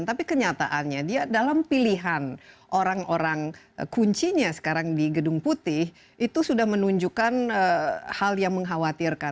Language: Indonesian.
tapi kenyataannya dia dalam pilihan orang orang kuncinya sekarang di gedung putih itu sudah menunjukkan hal yang mengkhawatirkan